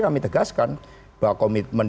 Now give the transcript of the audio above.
kami tegaskan bahwa komitmen